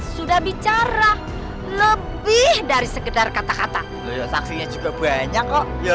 sudah bicara lebih dari sekedar kata kata saksinya juga banyak kok